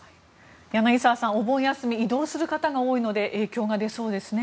柳澤さん、お盆休み移動する方が多いので影響が出そうですね。